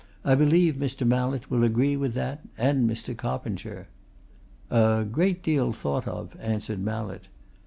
I believe Mr. Mallett will agree with that and Mr. Coppinger." "A great deal thought of," answered Mallett.